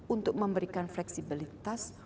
untuk memberikan fleksibilitas